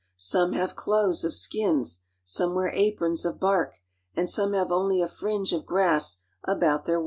Some have clothes of skins, some wear aprons! ^^Bbf bark, and some have only a fringe of grass about their!